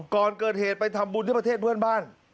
ก่อนเกิดเหตุไปทำบุญที่ประเทศเพื่อนบ้าน